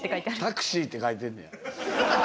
「タクシー」って書いてんねや。